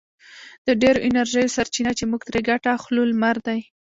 د ډېرو انرژیو سرچینه چې موږ ترې ګټه اخلو لمر دی.